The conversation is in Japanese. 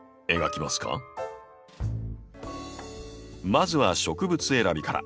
まずは植物選びから。